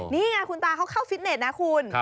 นี่ไงคุณตาเขาเข้าฟิตเน็ตนะคุณ